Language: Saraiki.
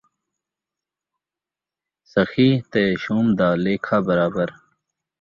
سخی تے شوم دا لیکھا برابر